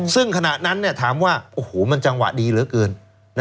ซึ่งขณะนั้นถามว่าโอ้โหมันจังหวะดีเหลือเกิน